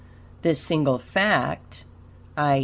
This single fact, i.